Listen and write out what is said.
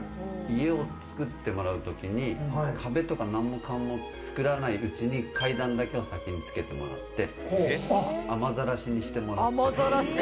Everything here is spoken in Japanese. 家を作ってもらうときに、壁とか何も考えず、つくらないうちに階段だけを先につけてもらって、雨ざらしにしてもらった。